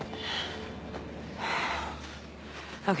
ああ。